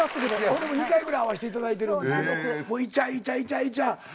俺も２回ぐらい会わしていただいてるんですけどイチャイチャイチャイチャ。